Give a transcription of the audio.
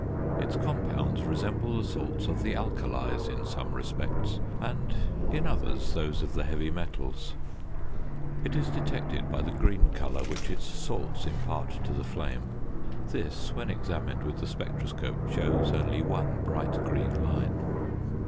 Its compounds resemble the salts of the alkalies in some respects; and, in others, those of the heavy metals. It is detected by the green colour which its salts impart to the flame. This, when examined with the spectroscope, shows only one bright green line.